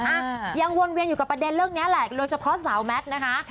อ่ะยังวนเวียนอยู่กับประเด็นเรื่องนี้แหละโดยเฉพาะสาวแมทนะคะ